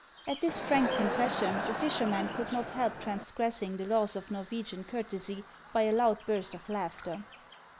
At this frank confession the fisherman could not help transgressing the laws of Norwegian courtesy by a loud burst of laughter.